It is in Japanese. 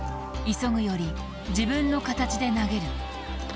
急ぐより、自分の形で投げる。